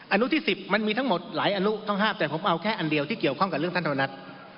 อนุที่๑๐มันมีทั้งหมดหลายอนุต้องห้ามแต่ผมเอาแค่อันเดียวที่เกี่ยวข้องกับเรื่องท่านธรรมนัฐ